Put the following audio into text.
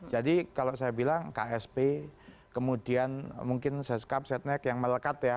jadi kalau saya bilang ksp kemudian mungkin seskap setnek yang melekat ya